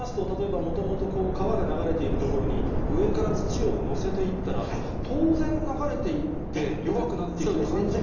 となりますと、もともと川が流れている所に、上から土を載せていったら、当然流れていって、弱くなっていくと感じると思いますが。